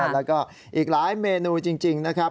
แล้วก็อีกหลายเมนูจริงนะครับ